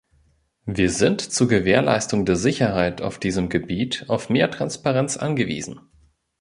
Wir sind zur Gewährleistung der Sicherheit auf diesem Gebiet auf mehr Transparenz angewiesen.